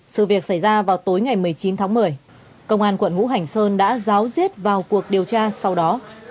sự việc xảy ra vào tối ngày một mươi chín tháng một mươi công an quận ngũ hành sơn đã giáo diết vào cuộc điều tra sau đó